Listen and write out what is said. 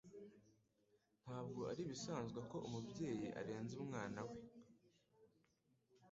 Ntabwo ari ibisanzwe ko umubyeyi arenza umwana we.